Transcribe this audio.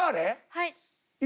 はい。